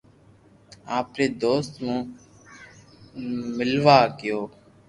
آپري دوست مون ملوا گيو